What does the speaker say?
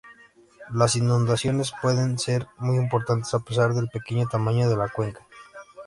Las inundaciones pueden ser muy importantes a pesar del pequeño tamaño de la cuenca.